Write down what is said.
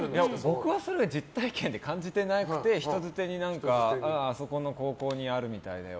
僕は実体験で感じてなくて人づてにあそこの高校にあるみたいだよ